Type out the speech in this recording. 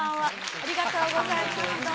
ありがとうございます。